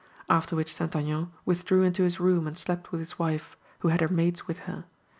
After which St. Aignan withdrew into his room and slept with his wife, who had her maids with her.